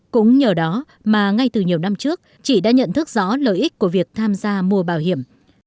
cũng nhờ đó mà ngay từ nhiều năm trước chị đã nhận thức rõ lợi ích của việc tham gia mùa bảo hiểm